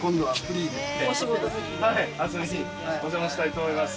はい遊びにお邪魔したいと思います。